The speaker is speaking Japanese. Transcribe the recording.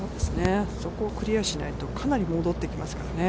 そこをクリアしないと、かなり戻ってきますからね。